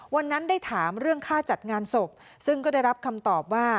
วันนั้นได้ถามเรื่องค่าจัดงานศพซึ่งก็ได้รับคำตอบว่า